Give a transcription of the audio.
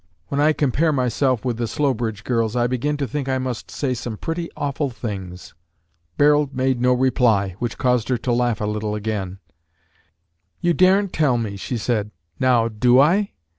When I compare myself with the Slowbridge girls, I begin to think I must say some pretty awful things." Barold made no reply, which caused her to laugh a little again. "You daren't tell me," she said. "Now, do I?